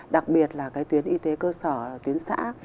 đặc biệt là cái tuyến y tế cơ sở tuyến xã